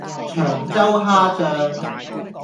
長洲蝦醬